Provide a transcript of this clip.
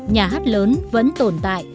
nhà hát lớn vẫn tồn tại